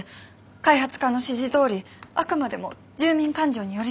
開発課の指示どおりあくまでも住民感情に寄り添って。